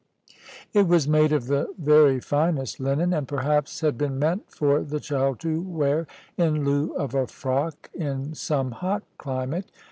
It was made of the very finest linen, and perhaps had been meant for the child to wear in lieu of a frock in some hot climate.